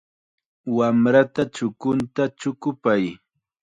Wamrata chukunta chukupay.